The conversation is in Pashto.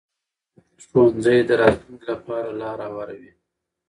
ښوونځی د راتلونکي لپاره لار هواروي